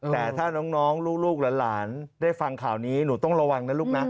แต่ถ้าน้องลูกหลานได้ฟังข่าวนี้หนูต้องระวังนะลูกนะ